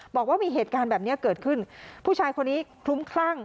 บอกว่ามีเหตุการณ์แบบนี้เกิดขึ้นผู้ชายคนนี้คลุ้มคลั่ง